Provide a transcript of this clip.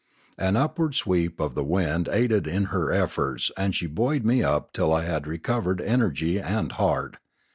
An upward sweep of the wind aided her in her efforts, and she buoyed me up till I had recovered energy and heart.